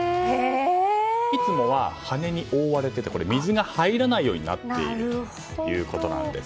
いつもは羽に覆われていて水が入らないようになっているということです。